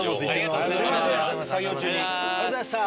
ありがとうございます。